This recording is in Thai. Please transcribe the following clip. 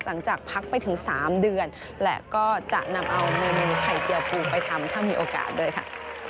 หลังจากพักไปถึง๓เดือนและก็จะนำเอาเงินไข่เจียวภูมิไปทำถ้ามีโอกาสด้วยค่ะ